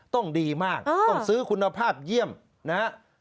ต้องดีมากต้องซื้อคุณภาพเยี่ยมนะครับ